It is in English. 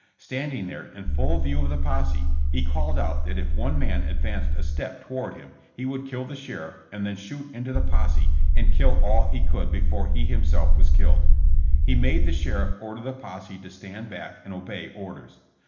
Standing there, in full view of the posse, he called out that if one man advanced a step toward him he would kill the sheriff and then shoot into the posse and kill all he could before he himself was killed. He made the sheriff order the posse to stand back and obey orders.